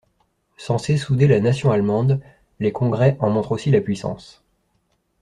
Censés souder la nation allemande, les congrès en montrent aussi la puissance.